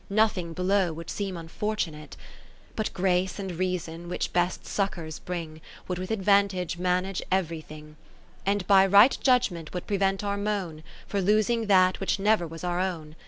Nothing below would seem un fortunate ; But Grace and Reason, which best succours bring. Would with advantage manage every thing ; And by right judgement would pre vent our moan. For losing that which never was our own.